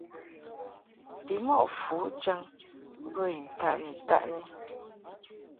Bimɔʼ fujaŋ bə I ntaʼni-taʼni.